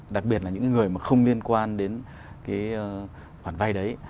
đặc biệt là những người mà không liên quan đến cái khoản vay đấy